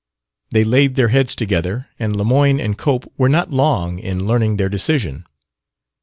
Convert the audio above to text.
They laid their heads together and Lemoyne and Cope were not long in learning their decision.